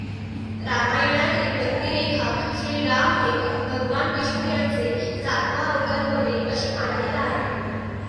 रामायणातील व्यक्तिरेखाश्रीराम हे भगवान विष्णू यांचे सातवा अवतार होते, अशी मान्यता आहे.